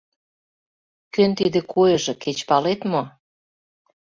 — Кӧн тиде куэже, кеч палет мо?